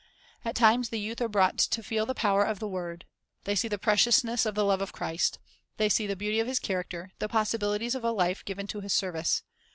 At times the youth are brought to feel the power of the word. They see A < ause of Donht the preciousness of the love of Christ. They see the beauty of His character, the possibilities of a life given to His service.